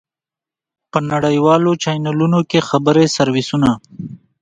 په نړیوالو چېنلونو کې خبري سرویسونه.